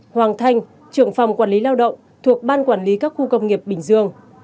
hoàng thanh trưởng phòng quản lý lao động thuộc ban quản lý các khu công nghiệp bình dương